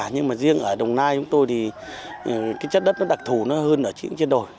nhưng mà riêng ở đồng nai chúng tôi thì cái chất đất nó đặc thù nó hơn ở trên đồi